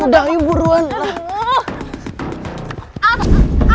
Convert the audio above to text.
udah ayo buruan lah